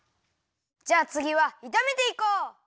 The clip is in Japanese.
じゃあつぎはいためていこう！